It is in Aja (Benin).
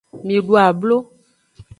Mi du ablo.